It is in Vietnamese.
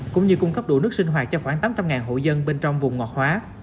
cũng như cung cấp đủ nước sinh hoạt cho khoảng tám trăm linh hộ dân bên trong vùng ngọt hóa